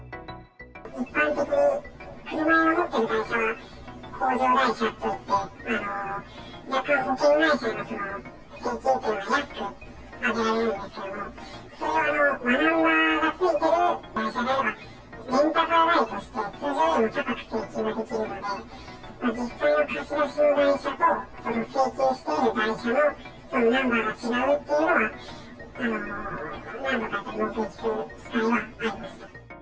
一般的に車屋が持っている代車は工場代車っていって、若干保険会社への請求が安くあげられるんですけれども、それがわナンバーがついてる代車であれば、レンタカー代として通常よりも高く請求ができるので、実際の貸し出しの代車と、請求している代車のナンバーが違うっていうのは、何度か目撃する機会がありました。